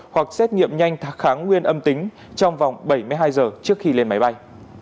hoặc xét nghiệm nhanh thạc kháng nguyên âm tính trong vòng bảy mươi hai giờ trước khi lên máy bay